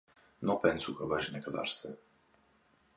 No penso que vagin a casar-se.